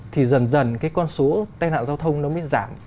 thì dần dần cái con số tai nạn giao thông nó mới giảm